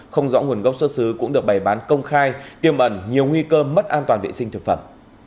không rõ nguồn gốc xuất xứ cũng được bày bán công khai tiêm ẩn nhiều nguy cơ mất an toàn vệ sinh thực phẩm